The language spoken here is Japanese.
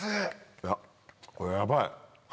いやこれヤバい！